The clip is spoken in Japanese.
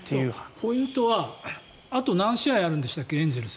ポイントはあと何試合あるんでしたっけ？